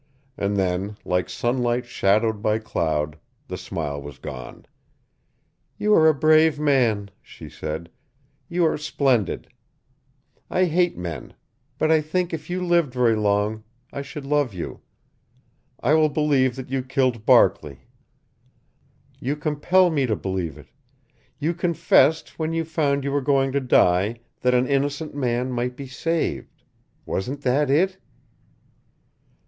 And then, like sunlight shadowed by cloud, the smile was gone. "You are a brave man," she said. "You are splendid. I hate men. But I think if you lived very long, I should love you. I will believe that you killed Barkley. You compel me to believe it. You confessed, when you found you were going to die, that an innocent man might be saved. Wasn't that it?"